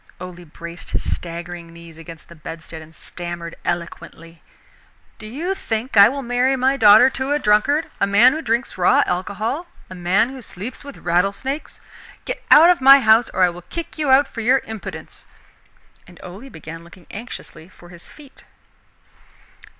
Ole braced his staggering knees against the bedstead, and stammered eloquently: "Do you think I will marry my daughter to a drunkard? a man who drinks raw alcohol? a man who sleeps with rattle snakes? Get out of my house or I will kick you out for your impudence." And Ole began looking anxiously for his feet.